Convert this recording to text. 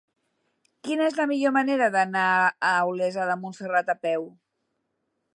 Quina és la millor manera d'anar a Olesa de Montserrat a peu?